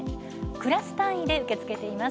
クラス単位で受け付けています。